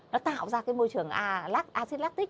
nó tạo ra cái môi trường acid lactic